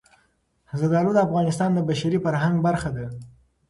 زردالو د افغانستان د بشري فرهنګ برخه ده.